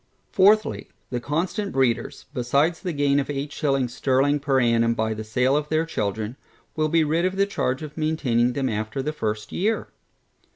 Fourthly, The constant breeders, besides the gain of eight shillings sterling per annum by the sale of their children, will be rid of the charge of maintaining them after the first year.